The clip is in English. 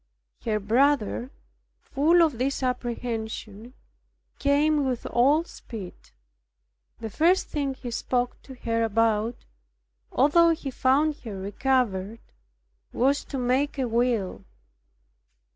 Her brother, full of this apprehension, came with all speed; the first thing he spoke to her about, although he found her recovered, was to make a will.